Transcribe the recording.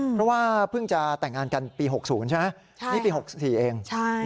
เพราะว่าเพิ่งจะแต่งงานกันปี๖๐ใช่ไหมนี่ปี๖๔เอง